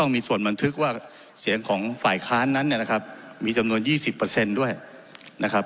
มันถึกว่าเสียงของฝ่ายค้านนั้นเนี้ยนะครับมีจำนวนยี่สิบเปอร์เซ็นต์ด้วยนะครับ